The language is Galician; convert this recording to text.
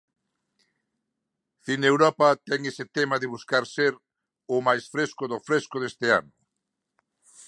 Cineuropa ten ese tema de buscar ser o máis fresco do fresco deste ano.